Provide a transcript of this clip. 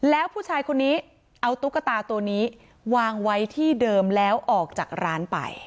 แล้วผู้ชายคนนี้เอาตุ๊กตาตัวนี้วางไว้ที่เดิมแล้วออกจากร้านไป